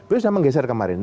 itu sudah menggeser kemarin